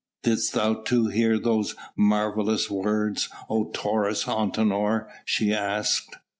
"Didst thou too hear those marvellous words, O Taurus Antinor?" she asked.